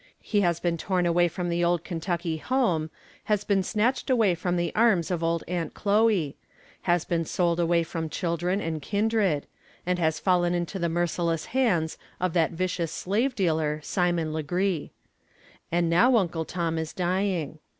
He has been torn away from the old Kentucky home; has been snatched away from the arms of old Aunt Chloe; has been sold away from children and kindred; and has fallen into the merciless hands of that vicious slave dealer, Simon Legree. And now Uncle Tom is dying.